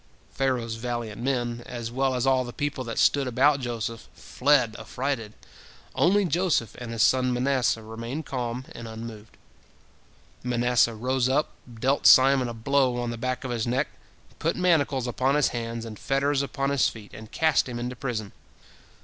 Pharaoh's valiant men, as well as all the people that stood about Joseph, fled affrighted, only Joseph and his son Manasseh remained calm and unmoved. Manasseh rose up, dealt Simon a blow on the back of his neck, put manacles upon his hands and fetters upon his feet, and cast him into prison.